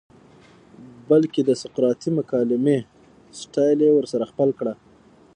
بلکه د سقراطی مکالمې سټائل ئې ورسره خپل کړۀ